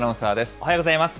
おはようございます。